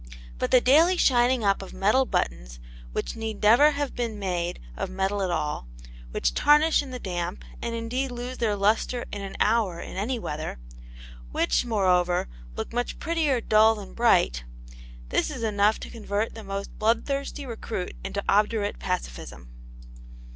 But the daily shining up of metal buttons which need never have been made of metal at all, which tarnish in the damp and indeed lose their lustre in an hour in any weather, which, moreover, look much prettier dull than bright this is enough to convert the most bloodthirsty recruit into obdurate pacifism.